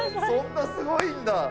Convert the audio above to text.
そんなすごいんだ。